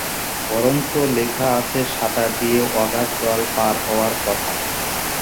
বরঞ্চ লেখা আছে সাঁতার দিয়ে অগাধ জল পার হওয়ার কথা।